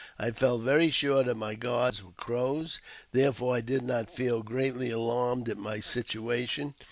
I felt very sure that my guards were Crows, therefore I did not feel greatly alarmed at my situation.